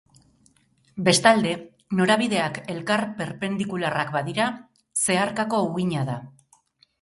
Bestalde, norabideak elkar perpendikularrak badira, zeharkako uhina da.